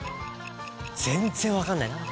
全然分かんない何だ？